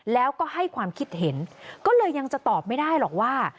แล้วก็ให้ความคิดเห็นก็เลยยังจะตอบไม่ได้หรอกว่า